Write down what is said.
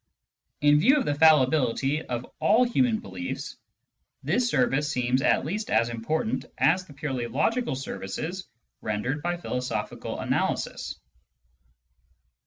In view of the fallibility of all human beliefs, this service seems at least as important as the purely logical services rendered by philosophical analysis.